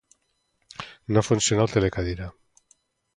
No funciona el telecadira.